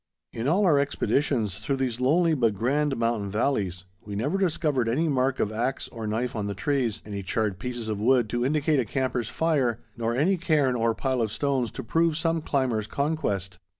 In all our expeditions through these lonely but grand mountain valleys, we never discovered any mark of axe or knife on the trees, any charred pieces of wood to indicate a camper's fire, nor any cairn or pile of stones to prove some climber's conquest.